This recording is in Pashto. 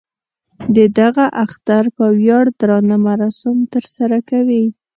د دغه اختر په ویاړ درانه مراسم تر سره کوي.